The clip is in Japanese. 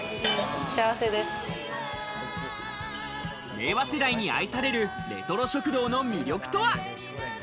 令和世代に愛されるレトロ食堂の魅力とは？